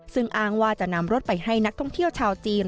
ซึ่งอ้างว่าจะนำรถไปให้นักท่องเที่ยวชาวจีน